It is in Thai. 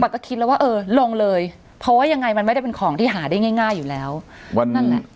ก็คิดแล้วว่าเออลงเลยเพราะว่ายังไงมันไม่ได้เป็นของที่หาได้ง่ายง่ายอยู่แล้วว่านั่นแหละ